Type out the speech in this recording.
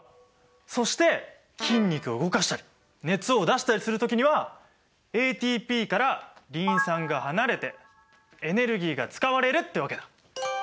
そして筋肉を動かしたり熱を出したりする時にはＡＴＰからリン酸が離れてエネルギーが使われるってわけだ。